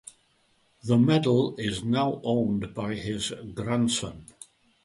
The medal is now owned by his grandson.